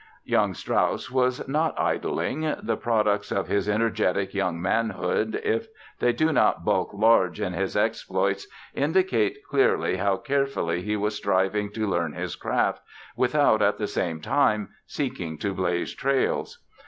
Young Strauss was not idling. The products of his energetic young manhood if they do not bulk large in his exploits indicate clearly how carefully he was striving to learn his craft without, at the same time, seeking to blaze trails.